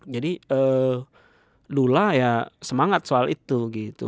jadi lula ya semangat soal itu gitu